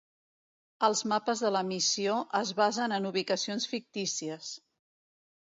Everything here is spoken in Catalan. Els mapes de la missió es basen en ubicacions fictícies.